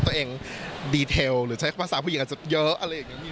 ตัวเองรสสดีหรือใช้ภาคภาษาผู้หญิงอาจจะเยอะ